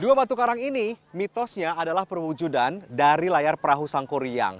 dua batu karang ini mitosnya adalah perwujudan dari layar perahu sangkuriang